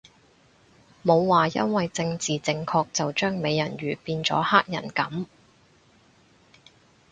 冇話因為政治正確就將美人魚變咗黑人噉